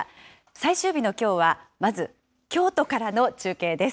最終日のきょうは、まず、京都からの中継です。